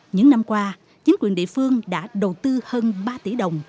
những năm qua chính quyền địa phương đã đầu tư hơn ba tỷ đồng